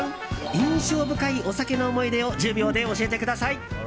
印象深いお酒の思い出を１０秒で教えてください。